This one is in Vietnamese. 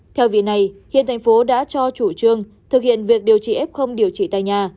theo vị này hiện thành phố đã cho chủ trương thực hiện việc điều trị ép không điều trị tại nhà